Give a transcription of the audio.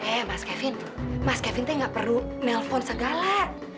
eh mas kevin mas kevin teh nggak perlu melfon segala